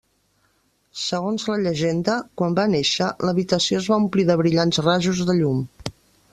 Segons la llegenda, quan va néixer l'habitació es va omplir de brillants rajos de llum.